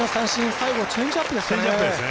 最後、チェンジアップですかね。